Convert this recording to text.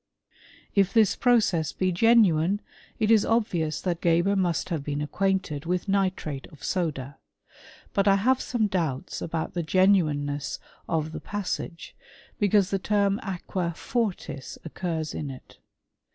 f If this process be genuine, it is obvious that Gebe*» must have been acquainted with nitrate of soda ; but I have some doubts about the genuineness of the pas k: sage, because the term aquafortis occurs in it.